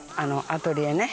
アトリエね